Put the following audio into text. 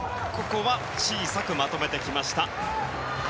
小さくまとめてきました。